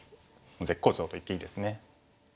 絶好調と言っていいですね。